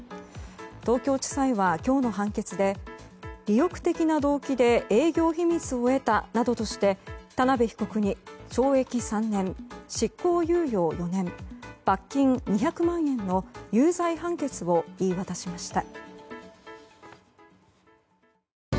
東京地裁は今日の判決で利欲的な動機で営業秘密などを得たとして田辺被告に懲役３年執行猶予４年、罰金２００万円の有罪判決を言い渡しました。